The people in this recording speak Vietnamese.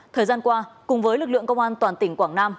thời gian qua cùng với lực lượng công an toàn tỉnh quảng nam